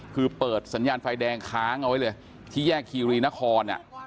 คือเปิดสัญญาณไฟแดงค้างเอาไว้เลยที่แยกคีรีนคร